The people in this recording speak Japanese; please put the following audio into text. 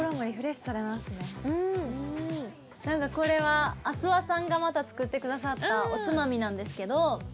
なんかこれは阿諏訪さんがまた作ってくださったおつまみなんですけど。